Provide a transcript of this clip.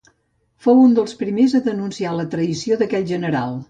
Fou un dels primers a denunciar la traïció d'aquell general.